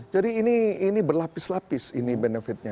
jadi ini berlapis lapis ini benefitnya